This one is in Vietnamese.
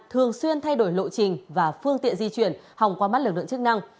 thường xuyên thay đổi lộ trình và phương tiện di chuyển hòng qua mắt lực lượng chức năng